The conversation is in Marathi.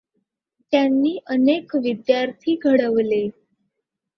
त्यांनी अनेक विद्यार्थी घडवले.